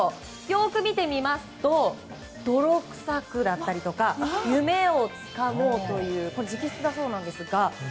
よく見てみますと「泥くさく」だったりとか「夢をつかもう」とか直筆だそうですが。